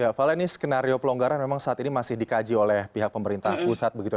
ya fala ini skenario pelonggaran memang saat ini masih dikaji oleh pihak pemerintah pusat begitu